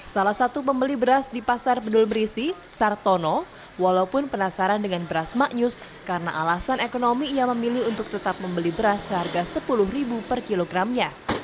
salah satu pembeli beras di pasar bedul berisi sartono walaupun penasaran dengan beras maknyus karena alasan ekonomi ia memilih untuk tetap membeli beras seharga sepuluh per kilogramnya